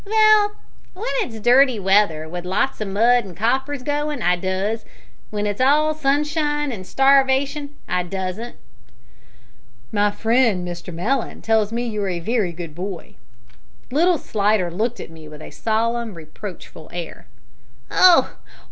"Vell, w'en it's dirty weather, with lots o' mud, an' coppers goin', I does. W'en it's all sunshine an' starwation, I doesn't." "My friend Mr Mellon tells me that you're a very good boy." Little Slidder looked at me with a solemn, reproachful air. "Oh!